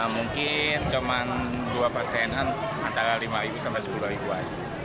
mungkin cuma dua pasien antara lima sampai sepuluh aja